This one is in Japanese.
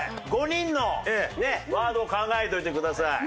５人のワードを考えといてください。